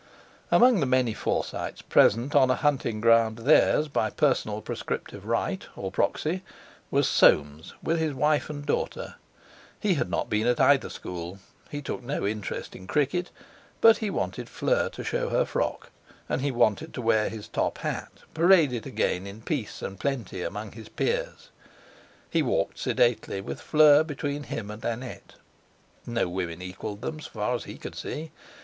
Among the many Forsytes, present on a hunting ground theirs, by personal prescriptive right, or proxy, was Soames with his wife and daughter. He had not been at either school, he took no interest in cricket, but he wanted Fleur to show her frock, and he wanted to wear his top hat parade it again in peace and plenty among his peers. He walked sedately with Fleur between him and Annette. No women equalled them, so far as he could see.